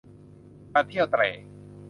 การเที่ยวเตร่